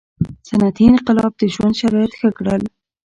• صنعتي انقلاب د ژوند شرایط ښه کړل.